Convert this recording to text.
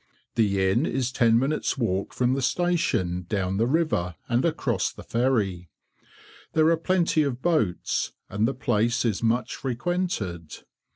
The inn is ten minutes' walk from the station down the river, and across the ferry. There are plenty of boats, and the place is much frequented.